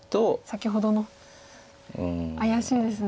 先ほどの怪しいですね。